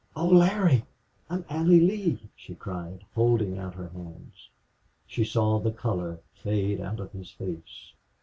"Oh, Larry I'm Allie Lee!" she cried, holding out her hands. She saw the color fade out of his face.